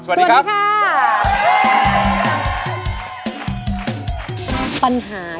คุณองค์ร้องได้